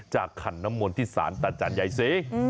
จากขันน้ำมนที่สารตาจันทร์ใหญ่ศรี